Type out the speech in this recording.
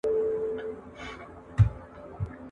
او که ډیموکراتان